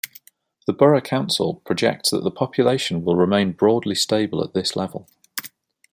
The Borough Council projects that the population will remain broadly stable at this level.